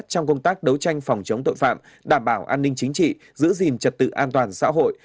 trong công tác đấu tranh phòng chống tội phạm đảm bảo an ninh chính trị giữ gìn trật tự an toàn xã hội